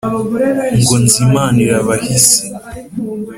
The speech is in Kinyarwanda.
ngo nzimanire abahisi